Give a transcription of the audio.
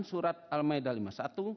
surat al maidah lima puluh satu